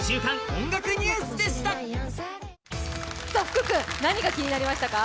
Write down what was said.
福くん、何が気になりましたか？